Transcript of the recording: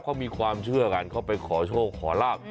เขามีความเชื่อกันเขาไปขอโชคขอลาบ